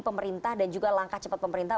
pemerintah dan juga langkah cepat pemerintah